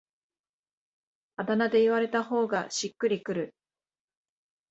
あだ名で言われた方がしっくりくる